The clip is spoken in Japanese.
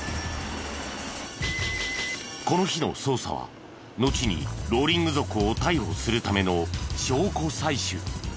この日の捜査はのちにローリング族を逮捕するための証拠採取。